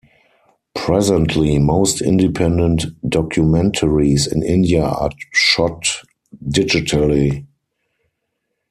Presently most independent documentaries in India are shot digitally.